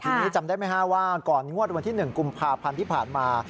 ทีนี้จำได้ไหมฮะว่าก่อนงวดวันที่๑กุมภาพันธ์ที่ผ่านมา